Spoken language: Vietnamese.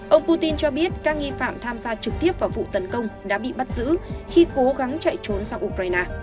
ông putin cho biết các nghi phạm tham gia trực tiếp vào vụ tấn công đã bị bắt giữ khi cố gắng chạy trốn sang ukraine